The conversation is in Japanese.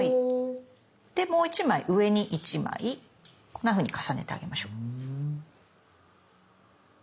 でもう１枚上に１枚こんなふうに重ねてあげましょう。